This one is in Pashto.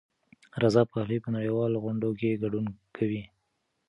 رضا پهلوي په نړیوالو غونډو کې ګډون کوي.